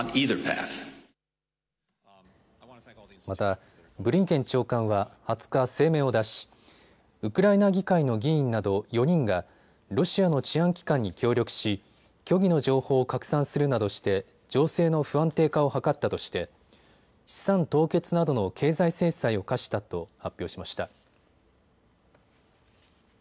また、ブリンケン長官は２０日、声明を出しウクライナ議会の議員など４人がロシアの治安機関に協力し虚偽の情報を拡散するなどして情勢の不安定化を図ったとして資産凍結などの経済制裁を科したと発表しました。